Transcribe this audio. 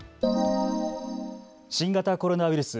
新型コロナウイルス。